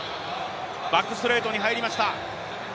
バックストレートに入りました。